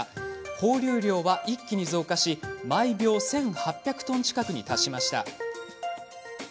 放流量は、一気に増加し毎秒１８００トン近くに達しました。